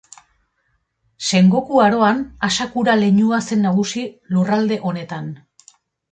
Sengoku Aroan Asakura leinua zen nagusi lurralde honetan.